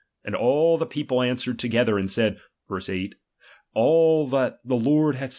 And all the people answered together, and said, (verse 8) All that the Lord hath spoken, will we do.